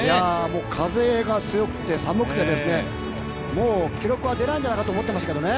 風が強くて寒くて、もう記録は出ないんじゃないかと思ってましたけどね